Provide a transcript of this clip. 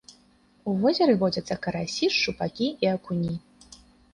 У возеры водзяцца карасі, шчупакі і акуні.